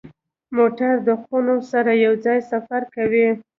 موټر د خونو سره یو ځای سفر کوي.